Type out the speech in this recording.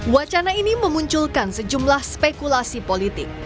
wacana ini memunculkan sejumlah spekulasi politik